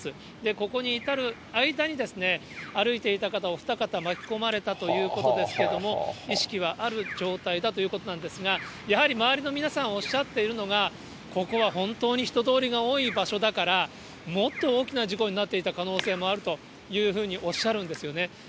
ここに至る間に、歩いていた方お２方巻き込まれたということですけども、意識はある状態だということなんですが、やはり周りの皆さんおっしゃっているのが、ここは本当に人通りが多い場所だから、もっと大きな事故になっていた可能性もあるというふうにおっしゃるんですよね。